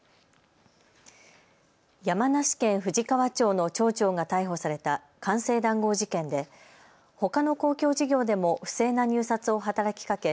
山梨県富士川町の町長が逮捕された官製談合事件でほかの公共事業でも不正な入札を働きかけ